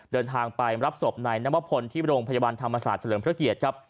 เดินทางไปรับศพนายนวพลที่โรงพยาบาลธรรมศาสตร์เฉลิมพระเกียรติครับ